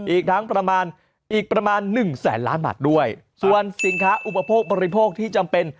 อีกทั้งประมาณอีกประมาณหนึ่งแสนล้านบาทด้วยส่วนสินค้าอุปโภคบริโภคที่จำเป็น